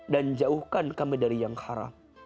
dan jauhkan kami dari yang haram